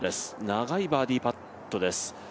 長いバーディーパットです。